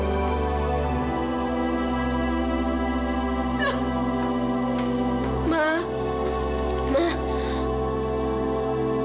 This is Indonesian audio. aku tak mau